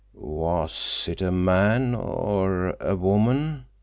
"Was it a man—or a woman?"